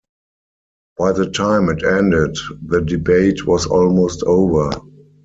By the time it ended, the debate was almost over.